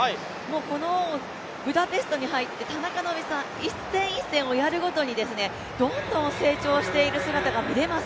このブダペストに入って田中希実さん一戦一戦をやるごとにどんどん成長している姿が見られます。